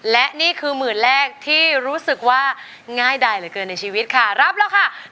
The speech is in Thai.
และนี่คือหมื่นแรกที่รู้สึกว่าง่ายดายเหลือเกินในชีวิตค่ะรับแล้วค่ะ